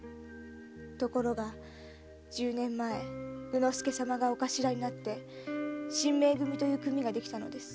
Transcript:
ところが十年前宇之助様がおカシラになって神盟組という組ができたのです。